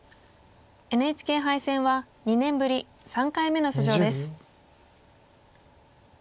ＮＨＫ杯戦は２年ぶり３回目の出場です。